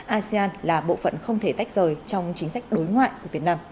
asean là bộ phận không thể tách rời trong chính sách đối ngoại của việt nam